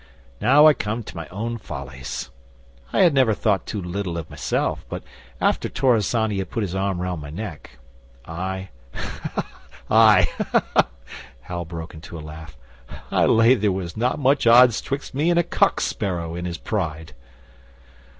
Now I come to my own follies. I had never thought too little of myself; but after Torrisany had put his arm round my neck, I I' Hal broke into a laugh 'I lay there was not much odds 'twixt me and a cock sparrow in his pride.